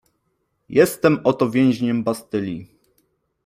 Jestem oto więźniem Bastylii.